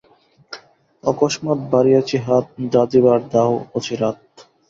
অকস্মাৎ বাড়ায়েছি হাত, যা দিবার দাও অচিরাৎ।